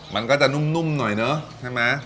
มันก็จะนุ่มหน่อยเนอะใช่ไหม